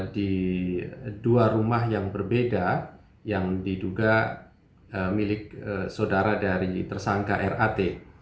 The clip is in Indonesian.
di dua rumah yang berbeda yang diduga milik saudara dari tersangka rat